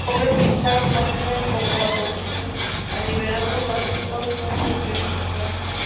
La pobreza y el paro masivo, en contraposición al liberalismo clásico, son cuestiones sociales.